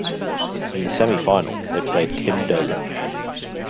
In the semifinal they played Kim Dolan.